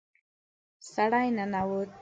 سړی ننوت.